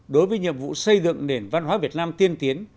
đối với nhiệm vụ xây dựng nền văn hóa việt nam tiên tiến